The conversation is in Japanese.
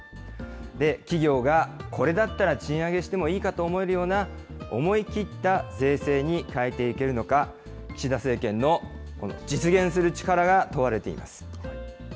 企業がこれだったら賃上げしてもいいかと思えるような思い切った税制に変えていけるのか、岸田政権の実現する力が問われています。